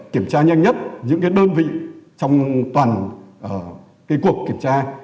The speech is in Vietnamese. kiểm tra nhanh nhất những đơn vị trong toàn cuộc kiểm tra